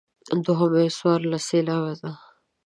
دوهمه یې څوارلس سېلابه ده.